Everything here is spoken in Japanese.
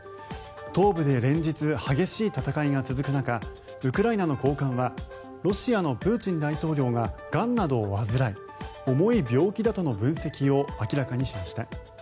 東部で連日激しい戦いが続く中ウクライナの高官はロシアのプーチン大統領ががんなどを患い重い病気だとの分析を明らかにしました。